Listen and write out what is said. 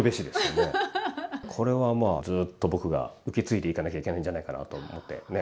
これはまあずっと僕が受け継いでいかなきゃいけないんじゃないかなと思ってね。